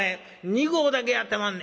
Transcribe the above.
２合だけやってまんねん」。